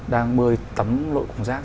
đang bơi tắm lội cùng rác